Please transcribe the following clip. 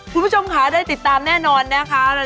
คุณผู้ชมค่ะได้ติดตามแน่นอนนะคะ